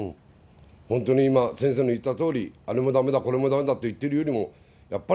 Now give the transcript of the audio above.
本当に今、先生も言ったとおり、あれもだめだ、これもだめだって言ってるよりも、やっぱり